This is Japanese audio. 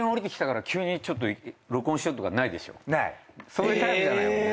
そういうタイプじゃないもんね。